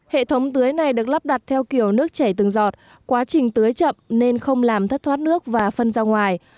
hệ thống tưới này được lắp đặt theo kiểu nước chảy từng giọt quá trình tưới chậm nên không làm thất thoát nước và phân ra ngoài